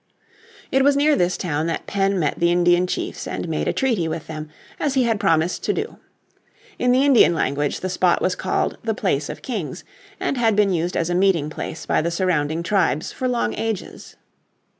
It was near this town that Penn met the Indian chiefs and made a treaty with them as he had promised to do. In the Indian language the spot was called the Place of Kings, and had been used as a meeting place by the surrounding tribes for long ages.